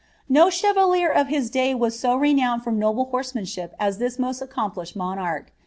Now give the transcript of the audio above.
"* No eheratier of his day was so renowned for noble hoTsemanship as this most accomplished monarch.